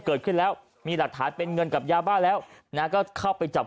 เกิดขึ้นแล้วมีหลักฐานเป็นเงินกับยาบ้าแล้วนะก็เข้าไปจับ